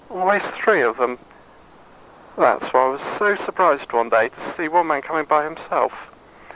Always three of them. That's why I was so surprised one day, to see one man coming by himself.